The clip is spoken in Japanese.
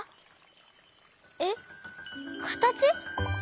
えっかたち？